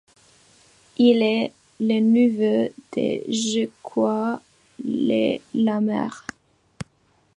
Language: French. Il est le neveu de Jacques Lemaire.